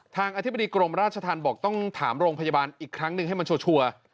อธิบดีกรมราชธรรมบอกต้องถามโรงพยาบาลอีกครั้งหนึ่งให้มันชัวร์